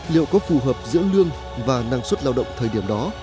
liệu có phù hợp giữa lương và năng suất lao động thời điểm đó